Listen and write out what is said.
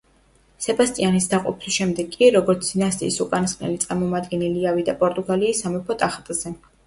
სებასტიანის დაღუპვის შემდეგ კი, როგორც დინასტიის უკანასკნელი წარმომადგენელი ავიდა პორტუგალიის სამეფო ტახტზე.